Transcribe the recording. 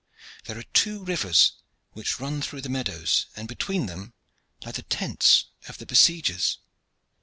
There are two rivers which run through the meadows, and between them lie the tents of the besiegers."